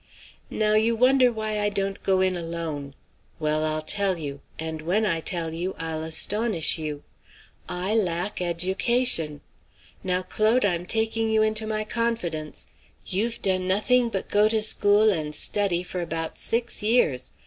"Now, you wonder why I don't go in alone. Well, I'll tell you; and when I tell you, I'll astonish you. I lack education! Now, Claude, I'm taking you into my confidence. You've done nothing but go to school and study for about six years.